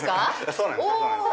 そうなんです。